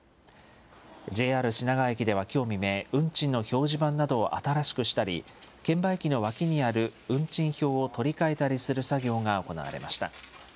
ＪＲ品川駅ではきょう未明、運賃の表示板などを新しくしたり、券売機の脇にある運賃表を取り替えたりする作業が行われました。